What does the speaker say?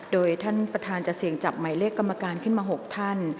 โดยท่านประธานจะเสี่ยงจับหมายเลขกรรมการขึ้นมา๖ท่าน